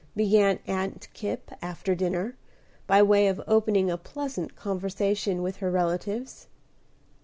began Aunt Kipp, after dinner, by way of opening a pleasant conversation with her relatives.